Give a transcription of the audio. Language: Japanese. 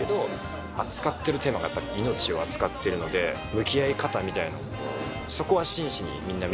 向き合い方みたいなのをこう。